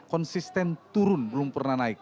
konsisten turun belum pernah naik